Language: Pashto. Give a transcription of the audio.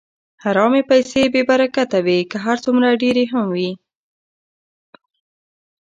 حرامې پیسې بېبرکته وي، که هر څومره ډېرې هم وي.